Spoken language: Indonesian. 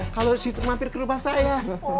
kalau si itu mampir kerubah saya